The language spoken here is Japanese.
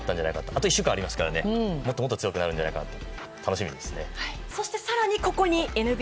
あと１週間ありますからもっともっと強くなるんじゃないかなと。